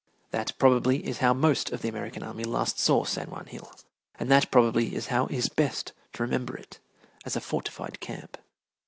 That probably is how most of the American army last saw San Juan Hill, and that probably is how it best remembers it as a fortified camp.